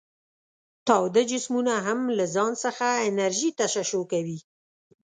تاوده جسمونه هم له ځانه څخه انرژي تشعشع کوي.